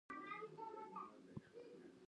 اوس هم کله کله په ساعتونو ساعتونو په هغه سوري کښېنم.